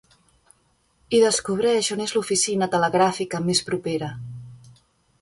I descobreix on és l'oficina telegràfica més propera.